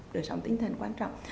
để sống tinh thần quan trọng